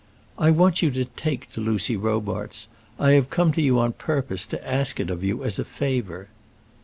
I want you to take to Lucy Robarts. I have come to you on purpose to ask it of you as a favour."